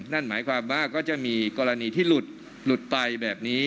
นั่นหมายความว่าก็จะมีกรณีที่หลุดไปแบบนี้